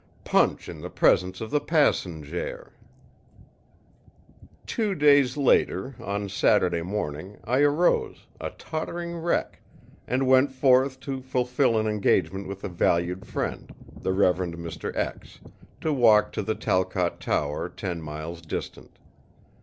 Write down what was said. punch in the presence of the passenjare!î Two days later, on Saturday morning, I arose, a tottering wreck, and went forth to fulfil an engagement with a valued friend, the Rev. Mr. , to walk to the Talcott Tower, ten miles distant.